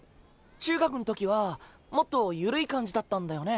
中学ん時はもっとゆるい感じだったんだよね。